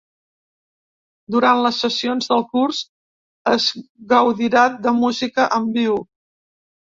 Durant les sessions del curs es gaudirà de música en viu.